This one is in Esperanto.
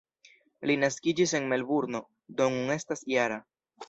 Li naskiĝis en Melburno, do nun estas -jara.